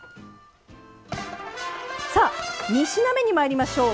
２品目にまいりましょう。